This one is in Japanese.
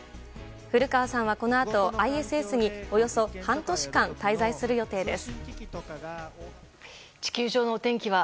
古川さんは、このあとＩＳＳにおよそ半年間滞在する予定です。